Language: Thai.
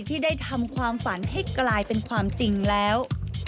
ที่ได้ทำความฝันให้กลายเป็นความจริงแล้ว